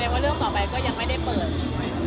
ว่าเรื่องต่อไปก็ยังไม่ได้เปิด